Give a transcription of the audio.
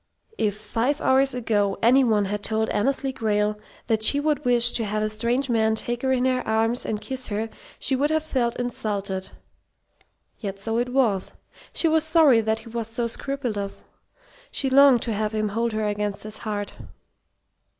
If, five hours ago, any one had told Annesley Grayle that she would wish to have a strange man take her in his arms and kiss her she would have felt insulted. Yet so it was. She was sorry that he was so scrupulous. She longed to have him hold her against his heart.